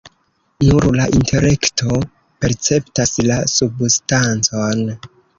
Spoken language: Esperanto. Nur la intelekto perceptas la substancon.